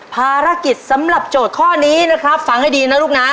ภารกิจสำหรับโจทย์ข้อนี้นะครับฟังให้ดีนะลูกนะ